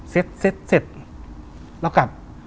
ซิดเสร็จแล้วกลับ